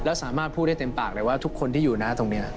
แล้วสามารถพูดได้เต็มปากเลยว่าทุกคนที่อยู่หน้าตรงนี้